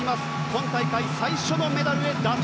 今大会、最初のメダルへ打倒